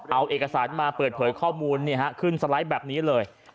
เอาเอกสารมาเปิดเผยข้อมูลขึ้นสไลด์แบบนี้เลย